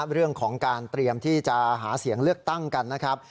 เรื่องของการเตรียมที่จะหาเสียงเลือกตั้งกันนะครับ